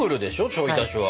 ちょい足しは。